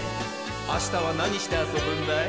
あしたはなにしてあそぶんだい？